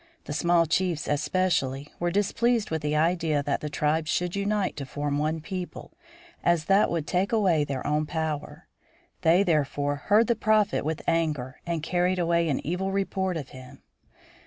The small chiefs especially were displeased with the idea that the tribes should unite to form one people, as that would take away their own power. They, therefore, heard the Prophet with anger, and carried away an evil report of him.